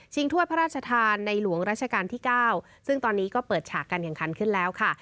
ถ้วยพระราชทานในหลวงราชการที่๙ซึ่งตอนนี้ก็เปิดฉากการแข่งขันขึ้นแล้วค่ะ